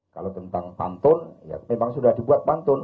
kalau tentang pantun ya memang sudah dibuat pantun